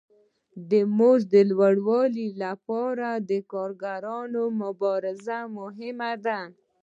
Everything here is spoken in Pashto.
د مزد د لوړوالي لپاره د کارګرانو مبارزه مهمه ده